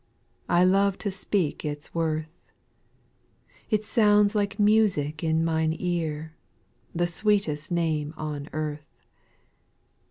I love to speak its worth ; It sounds like music in mine ear, The sweetest name on earth.